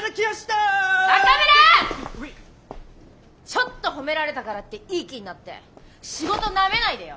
ちょっと褒められたからっていい気になって仕事なめないでよ。